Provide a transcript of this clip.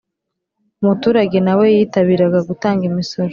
umuturage nawe yitabiraga gutanga imisoro,